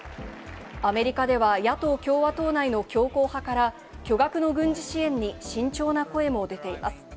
アメリカでは野党・共和党内の強硬派から、巨額の軍事支援に慎重な声も出ています。